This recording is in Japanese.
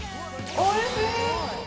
おいしい！